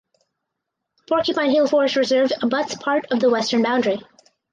Porcupine Hill Forest Reserve abuts part of the western boundary.